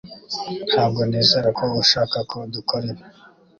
Ntabwo nizera ko ushaka ko dukora ibi